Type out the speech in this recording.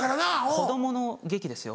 子供の劇ですよ